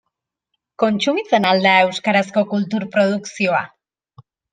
Kontsumitzen al da euskarazko kultur produkzioa?